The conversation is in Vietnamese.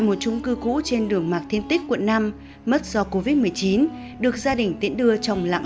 một trung cư cũ trên đường mạc thiên tích quận năm mất do covid một mươi chín được gia đình tiễn đưa chồng lặng